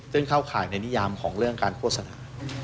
ซึ่งเข้าข่ายในนิยามของเรื่องการโฆษณา